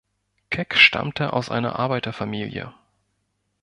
Keck stammte aus einer Arbeiterfamilie.